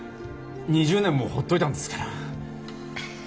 ２０年もほっといたんですから。